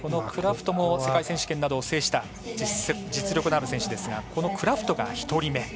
世界選手権などを制した実力のある選手ですがこのクラフトが１人目。